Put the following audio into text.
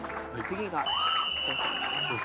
次が交差になります。